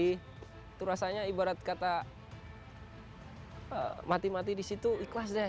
itu rasanya ibarat kata mati mati di situ ikhlas deh